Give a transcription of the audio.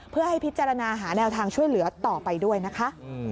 เพื่อให้พิจารณาหาแนวทางช่วยเหลือต่อไปด้วยนะคะ